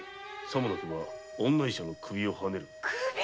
さもなくば女医者の首をはねる」首！？